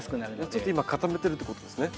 ちょっと今固めてるということですね。